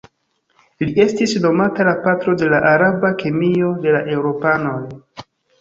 Li estis nomata la "patro de la araba kemio" de la eŭropanoj.